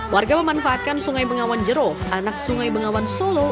warga memanfaatkan sungai bengawan jero anak sungai bengawan solo